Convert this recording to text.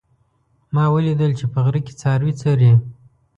ما ولیدل چې په غره کې څاروي څري